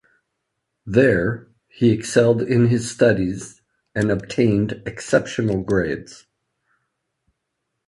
There, he excelled in his studies and obtained exceptional grades.